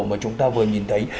mà chúng ta vừa nhìn thấy